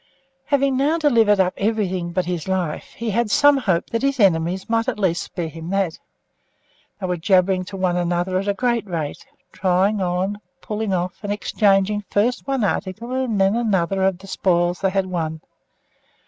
Having now delivered up everything but his life, he had some hope that his enemies might at least spare him that. They were jabbering to one another at a great rate, trying on, putting off, and exchanging first one article and then another of the spoils they had won.